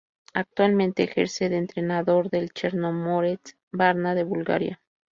Actualmente ejerce de entrenador del Chernomorets Varna de Bulgaria.